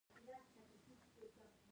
افغانستان له د افغانستان جلکو ډک دی.